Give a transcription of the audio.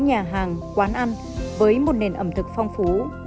nhà hàng quán ăn với một nền ẩm thực phong phú